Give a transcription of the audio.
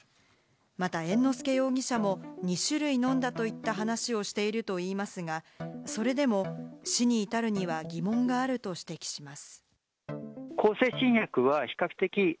また猿之助容疑者も２種類飲んだといった話をしているといいますが、それでも死に至るには疑問があると指摘します。